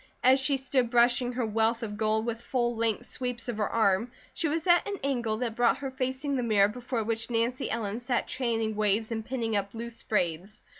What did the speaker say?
As she stood brushing her wealth of gold with full length sweeps of her arm, she was at an angle that brought her facing the mirror before which Nancy Ellen sat training waves and pinning up loose braids.